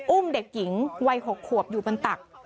อุ้มเด็กหญิงวัย๖ขวบอยู่บนตัก